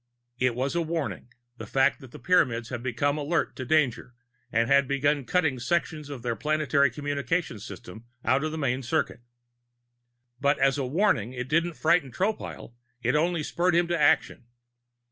It was a warning, the fact that the Pyramids had become alert to danger, had begun cutting sections of their planetary communications system out of the main circuit. But as a warning, it didn't frighten Tropile; it only spurred him to action.